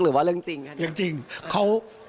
หรือว่าเรื่องจริงครับ